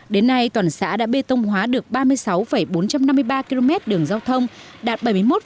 đến nay toàn xã đã bê tông hóa được ba mươi sáu bốn trăm năm mươi ba km đường giao thông đạt bảy mươi một năm